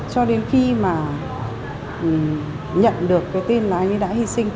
cho đến khi mà nhận được cái tin là anh ấy đã hy sinh